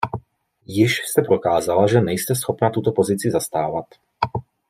Již jste prokázala, že nejste schopna tuto pozici zastávat.